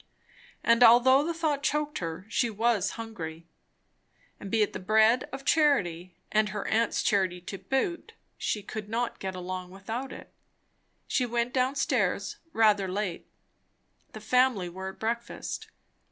And although the thought choked her, she was hungry; and be it the bread of charity, and her aunt's charity to boot, she could not get along without it. She went down stairs, rather late. The family were at breakfast.